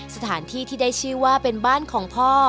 สถานที่ที่ได้ชื่อว่าเป็นบ้านของพ่อ